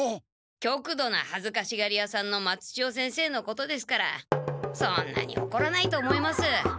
きょくどなはずかしがり屋さんの松千代先生のことですからそんなにおこらないと思います。